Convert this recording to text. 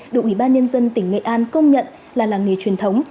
được ủy ban nhân dân tỉnh nghệ an công nhận là làng nghề truyền thống